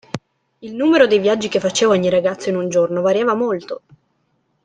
Il numero dei viaggi che faceva ogni ragazzo in un giorno variava molto.